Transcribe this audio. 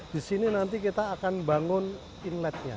di sini nanti kita akan bangun inletnya